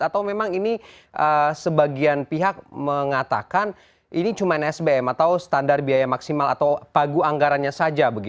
atau memang ini sebagian pihak mengatakan ini cuma sbm atau standar biaya maksimal atau pagu anggarannya saja